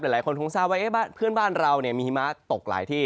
หลายคนคงทราบว่าเพื่อนบ้านเรามีหิมะตกหลายที่